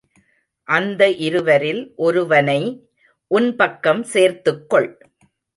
அந்த இருவரில் ஒருவனை உன்பக்கம் சேர்த்துக் கொள்.